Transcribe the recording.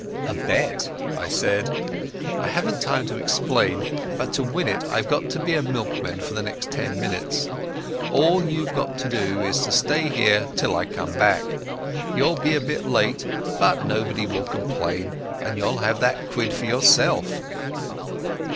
"A bet," I said. "I haven't time to explain, but to win it I've got to be a milkman for the next ten minutes. All you've got to do is to stay here till I come back. You'll be a bit late, but nobody will complain, and you'll have that quid for yourself."